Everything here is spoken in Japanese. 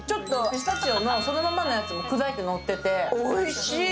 ピスタチオがそのままのやつが砕いて乗ってて、おいしい。